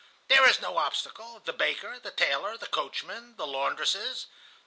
There is no obstacle: the baker, the tailor, the coachman, the laundresses.